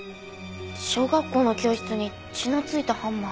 小学校の教室に血の付いたハンマー。